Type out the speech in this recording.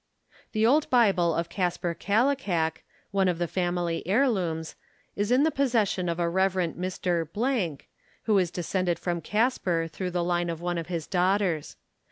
The old Bible of Casper Kallikak, one of the family heirlooms, is in the possession of a Reverend Mr. , who is descended from Casper through the line of one of his daughters.